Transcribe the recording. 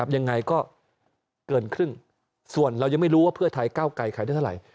ยังไงก็เกินครึ่งส่วนเรายังไม่รู้ว่าเพื่อไทยก้าวไกลขายได้เท่าไหร่